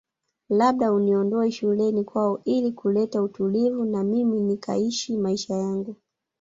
Labda uniondoe shuleni kwako ili kuleta utulivu na mimi nikaishi maisha yangu